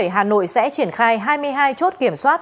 hà nội sẽ triển khai hai mươi hai chốt kiểm soát